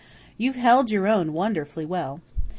"You've held your own wonderfully well."